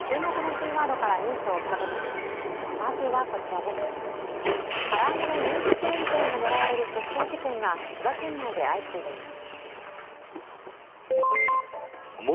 から揚げの人気チェーン店が狙われる窃盗事件が千葉県内で相次いでいます。